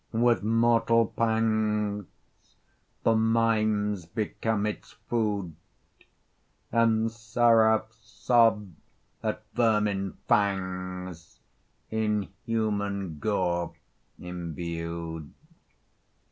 with mortal pangs The mimes become its food, And seraphs sob at vermin fangs In human gore imbued.